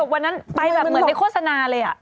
วันนั้นไปเหมือนไม่โฆษณาเลย